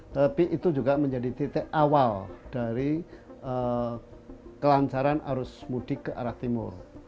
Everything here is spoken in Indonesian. tapi itu juga menjadi titik awal dari kelancaran arus mudik ke arah timur